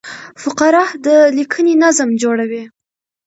فقره د لیکني نظم جوړوي.